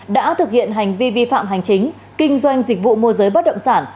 đã thực hiện hành vi vi phạm hành chính kinh doanh dịch vụ môi giới bất động sản